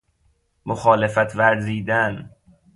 مخالفت ورزیدن